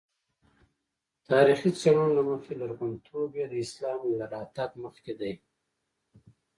تاریخي څېړنو له مخې لرغونتوب یې د اسلام له راتګ مخکې دی.